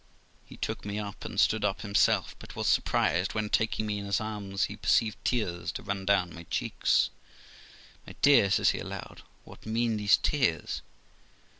He took me up, and stood up himself, but was surprised, when, taking me in his arms, he perceived tears to run down my cheeks. 'My dear', says he aloud, 'what mean these tears